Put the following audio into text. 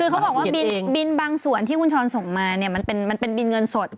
คือเขาบอกว่าบินบางส่วนที่คุณช้อนส่งมาเนี่ยมันเป็นบินเงินสด